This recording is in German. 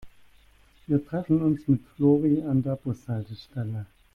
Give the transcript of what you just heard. Wir treffen uns mit Flori an der Bushaltestelle.